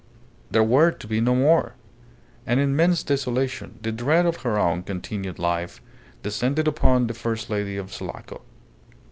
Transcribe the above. There were to be no more. An immense desolation, the dread of her own continued life, descended upon the first lady of Sulaco.